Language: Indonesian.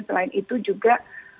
selain itu juga